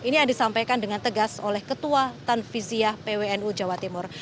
ini yang disampaikan dengan tegas oleh ketua tanfiziah pwnu jawa timur